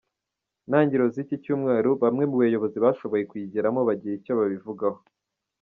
ntangiriro z’iki cyumweru, bamwe mu bayobozi bashoboye kuyigeramo bagira icyo babivugaho.